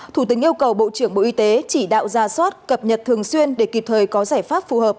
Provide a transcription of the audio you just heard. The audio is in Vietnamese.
thủ tướng yêu cầu bộ trưởng bộ y tế chỉ đạo ra soát cập nhật thường xuyên để kịp thời có giải pháp phù hợp